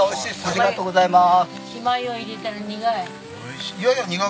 ありがとうございます。